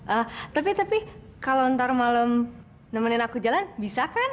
eh tapi tapi kalau ntar malam nemenin aku jalan bisa kan